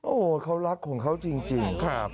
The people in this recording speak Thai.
โอ้เขารักของเขาจริงค่ะ